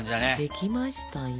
できましたよ。